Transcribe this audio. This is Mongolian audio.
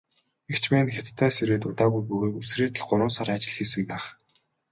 Эгч маань Хятадаас ирээд удаагүй бөгөөд үсрээд л гурван сар ажил хийсэн байх.